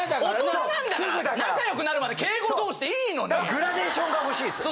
グラデーションが欲しいっすよね。